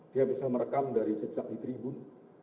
dia bisa merekam dari sejak di tribun